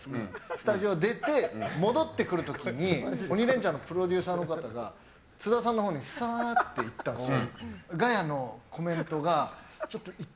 スタジオ出て、戻ってくる時に「鬼レンチャン」のプロデューサーの方が津田さんのほうにさーって行ったんです。